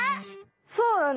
そうだね。